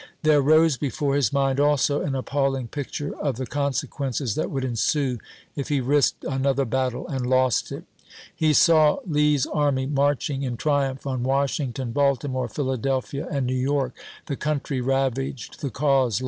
There rose he fore his mind also an appallmg picture of the con sequences that would ensue if he risked another battle and lost it. He saw Lee's army marching in triumph on Washington, Baltimore, Philadelphia, volI^x., and New York, the country ravaged, the cause p.^65."